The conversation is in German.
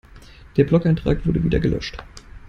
Der Blogeintrag wurde wieder gelöscht.